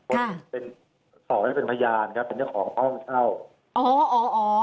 ค่ะเป็นสอบให้เป็นพยานครับเป็นเจ้าของห้องเช่า